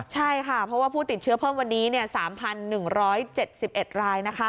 ใช่ค่ะเพราะว่าผู้ติดเชื้อเพิ่มวันนี้๓๑๗๑ราย